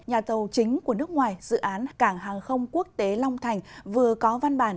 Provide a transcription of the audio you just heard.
nhà tàu chính của nước ngoài dự án cảng hàng không quốc tế long thành vừa có văn bản